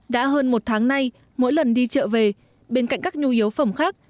đã hơn một tháng nay mỗi lần đi chợ về bên cạnh các nhu yếu phẩm khác